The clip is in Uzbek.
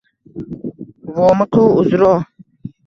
Vomiqu Uzro…